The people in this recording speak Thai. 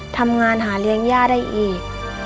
ทำงานหาเลี้ยงย่าได้อีก